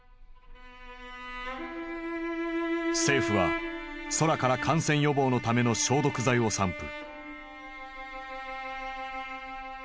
政府は空から感染予防のための消毒剤を散布。